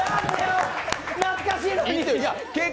懐かしいのに。